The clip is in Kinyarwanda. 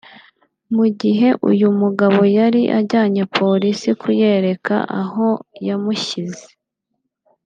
Mu gihe uyu mugabo yari ajyanye Polisi kuyereka aho yamushyize